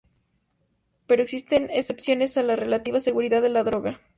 Pero existen excepciones a la relativa seguridad de la droga.